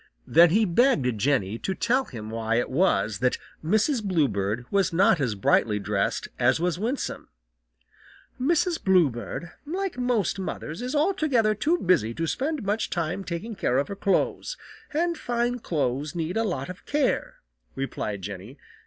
Then he begged Jenny to tell him why it was that Mrs. Bluebird was not as brightly dressed as was Winsome. "Mrs. Bluebird, like most mothers, is altogether too busy to spend much time taking care of her clothes; and fine clothes need a lot of care," replied Jenny.